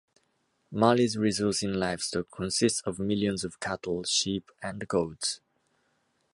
Mali's resource in livestock consists of millions of cattle, sheep, and goats.